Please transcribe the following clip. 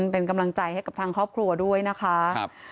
เป็นกำลังใจให้กับทางครอบครัวด้วยนะคะ